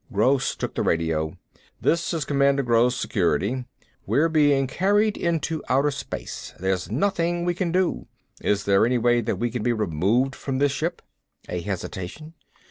Gross took the radio. "This is Commander Gross, Security. We're being carried into outer space. There's nothing we can do. Is there any way that we can be removed from this ship?" A hesitation.